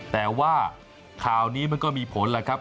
แต่ว่าข่าวนี้มันก็มีผลแหละครับ